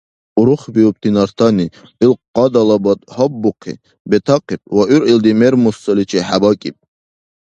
Урухбиубти нартани, ил къадалабад гьаббухъи, бетахъиб ва гӀур илди мер-мусаличи хӀебакӀиб.